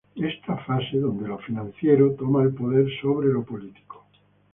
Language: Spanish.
Esta fase donde la finanza toma el poder sobre lo político.